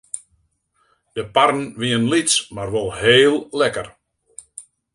De parren wienen lyts mar wol heel lekker.